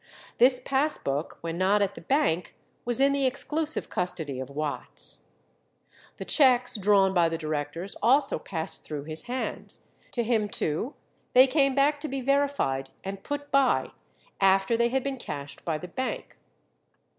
This pass book, when not at the bank, was in the exclusive custody of Watts. The cheques drawn by the directors also passed through his hands; to him too they came back to be verified and put by, after they had been cashed by the bank.